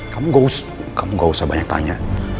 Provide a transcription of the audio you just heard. kamu gak usah banyak tanya